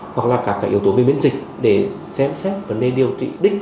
hoặc là các yếu tố về biến dịch để xem xét vấn đề điều trị đích